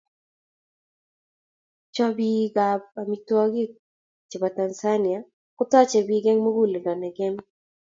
Chobiikab amtwogiik chebo Tanzania kotochei biik eng muguleldo nebo kenem.